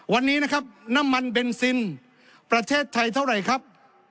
วันนี้นะครับน้ำมันเบนซินประเทศไทยเท่าไหร่ครับ